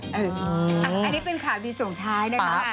อันนี้เป็นข่าวดีส่งท้ายนะคะ